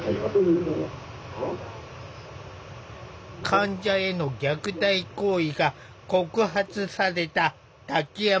患者への虐待行為が告発された滝山病院。